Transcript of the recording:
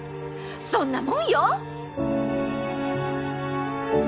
そんなもんよ！